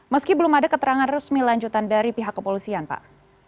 meski belum ada keterangan resmi lanjutan dari pihak kepolisian pak